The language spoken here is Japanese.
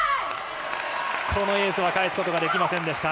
このエースは返すことができませんでした。